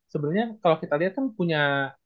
sebenernya kalo kita lihat kan punya